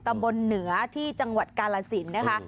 ตำบลเหนือที่จังหวัดกาลสินนะคะ